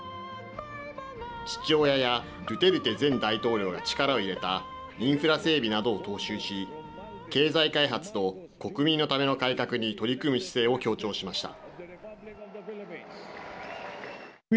父親やドゥテルテ前大統領が力を入れたインフラ整備などを踏襲し経済開発と国民のための改革に取り組む姿勢を強調しました。